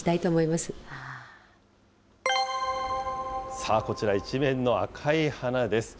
さあ、こちら、一面の赤い花です。